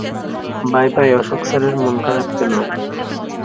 Bye-bye Ashok স্যারের মন খারাপ কেন?